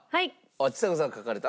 あっちさ子さん書かれた。